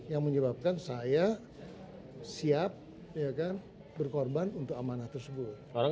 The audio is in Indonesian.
yang menyebabkan saya siap berkorban untuk amanah tersebut